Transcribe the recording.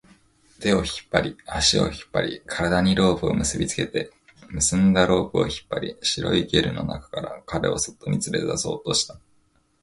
手を引っ張り、足を引っ張り、体にロープを結びつけて、結んだロープを引っ張り、白いゲルの中から彼を外に連れ出そうとした